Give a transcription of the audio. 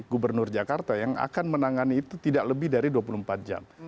gubernur jakarta yang akan menangani itu tidak lebih dari dua puluh empat jam